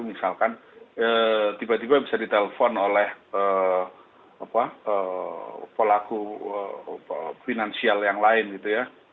misalkan tiba tiba bisa ditelepon oleh pelaku finansial yang lain gitu ya